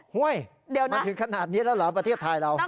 เฮ่ยมันถึงขนาดนี้แล้วเหรอประเทศไทยเรานะคะ